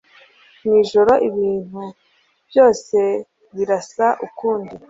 Mwijoro, ibintu byose birasa ukundi.